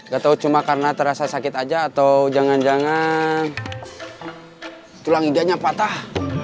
gak tahu cuma karena terasa sakit saja atau jangan jangan tulang iganya patah